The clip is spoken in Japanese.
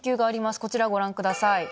こちらをご覧ください。